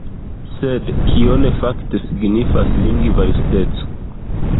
Sed kion fakte signifas lingva justeco?